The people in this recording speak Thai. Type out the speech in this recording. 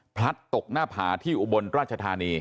พลัดตกหน้าผาที่อุบลราชธานี